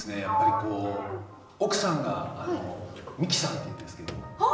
やっぱりこう奥さんがミキさんっていうんですけど。